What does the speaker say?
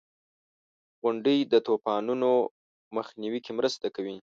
• غونډۍ د طوفانونو مخنیوي کې مرسته کوي.